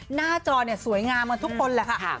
หน้าจอเนี่ยสวยงามกันทุกคนแหละค่ะ